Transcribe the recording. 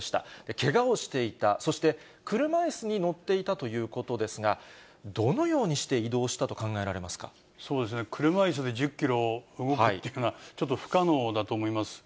けがをしていた、そして車いすに乗っていたということですが、どのようにして移動車いすで１０キロ動くというのは、ちょっと不可能だと思います。